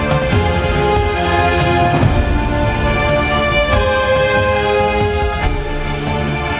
kau tak bisa berpikir pikir